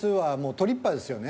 トリッパですよね。